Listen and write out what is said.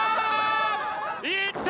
いった！